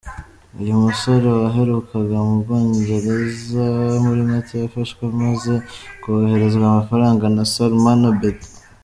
Uyu musore waherukaga mu Bwongereza muri Mata yafashwe amaze kohererezwa amafaranga na Salman Abedi.